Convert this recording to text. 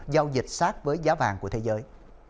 giao dịch sát với giá vàng của thế giới